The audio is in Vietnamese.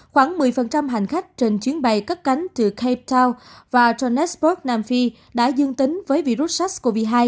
khoảng một mươi hành khách trên chuyến bay cất cánh từ cape town và johannesburg nam phi đã dương tính với virus sars cov hai